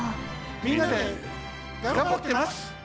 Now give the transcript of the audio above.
みんなでがんばってます！